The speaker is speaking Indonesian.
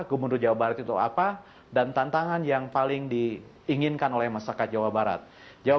gubernur jawa barat itu apa dan tantangan yang paling diinginkan oleh masyarakat jawa barat jawa